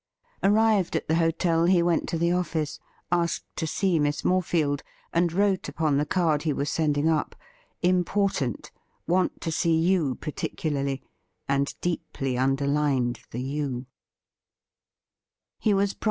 Arrived at the hotel, he went to the office, asked to see Miss Morefield, and wrote upon the card he was sending up :' Important — want to see you particularly,' and deeply underlined the 'you.'